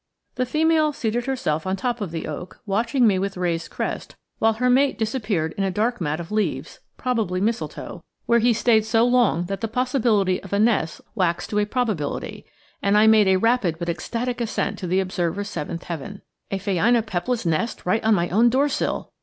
The female seated herself on top of the oak, watching me with raised crest, while her mate disappeared in a dark mat of leaves, probably mistletoe, where he stayed so long that the possibility of a nest waxed to a probability, and I made a rapid but ecstatic ascent to the observer's seventh heaven. A phainopepla's nest right on my own doorsill!